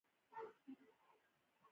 ایا زړه ورکوئ؟